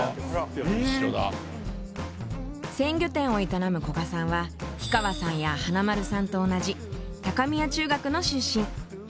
鮮魚店を営む古賀さんは氷川さんや華丸さんと同じ高宮中学の出身。